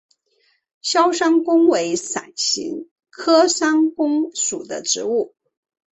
鞘山芎为伞形科山芎属的植物。